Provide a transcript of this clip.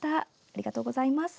ありがとうございます。